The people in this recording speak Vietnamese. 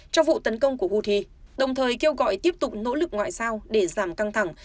trong vụ tấn công của houthi đồng thời kêu gọi tiếp tục nỗ lực ngoại giao để giảm căng thẳng